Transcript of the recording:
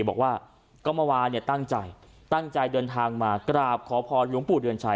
บอกว่าก็เมื่อวานเนี่ยตั้งใจตั้งใจเดินทางมากราบขอพรหลวงปู่เดือนชัย